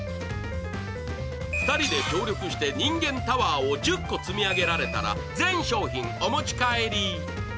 ２人で協力して、にんげんタワーを１０個積み上げられたら全商品お持ち帰り。